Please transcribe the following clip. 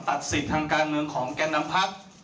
ตัดสิทธิ์ทางการเมืองของแก่นำพัก